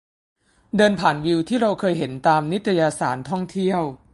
เดินผ่านวิวที่เราเคยเห็นตามนิตยสารท่องเที่ยว